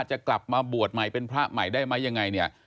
จะกลับมาบวชใหม่เป็นพระใหม่ได้ไหมยังไงเนี่ย